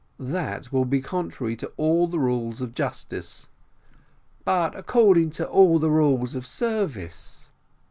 "That will be contrary to all the rules of justice." "But according to all the rules of service."